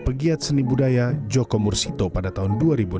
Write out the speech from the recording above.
pegiat seni budaya joko mursito pada tahun dua ribu enam belas